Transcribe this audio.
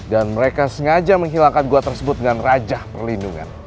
dan mereka sengaja menghilangkan gua tersebut dengan raja perlindungan